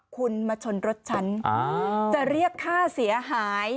คุณมาชนรถฉันจะเรียกค่าเสียหาย